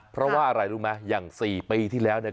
เพราะว่าอะไรรู้ไหมอย่าง๔ปีที่แล้วเนี่ย